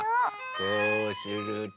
こうすると。